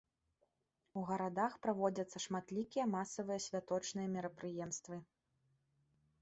У гарадах праводзяцца шматлікія масавыя святочныя мерапрыемствы.